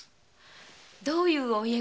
どういうお家柄の？